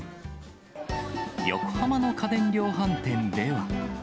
横浜の家電量販店では。